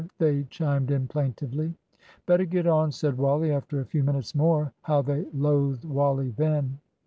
they chimed in plaintively. "Better get on," said Wally, after a few minutes more. How they loathed Wally then!